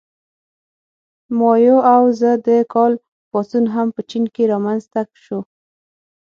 مائو او د ز کال پاڅون هم په چین کې رامنځته شو.